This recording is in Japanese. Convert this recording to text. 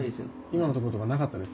今のとことかなかったですよね。